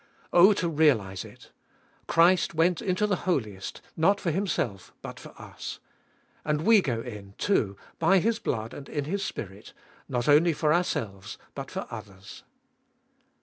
4. Oh to realise it I Christ went Into the Holiest, not for Himself, but for us. And we go in, too, by His blood and in His Spirit, not only for ourselves but for others.